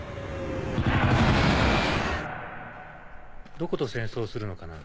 どこと戦争をするのかな。